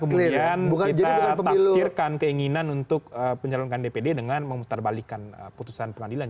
karena kemudian kita taksirkan keinginan untuk pencalonkan dpd dengan memutarbalikan putusan pengadilan